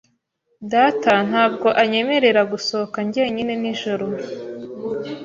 Data ntabwo anyemerera gusohoka jyenyine nijoro.